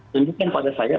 tunjukkan pada saya